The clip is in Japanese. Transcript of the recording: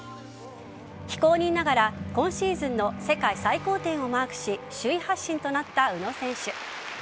非公認ながら、今シーズンの世界最高点をマークし首位発進となった宇野選手。